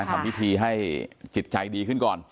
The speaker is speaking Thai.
ทำพิธีให้จิตใจดีขึ้นก่อน